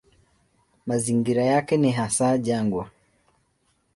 Mazingira yake ni hasa jangwa.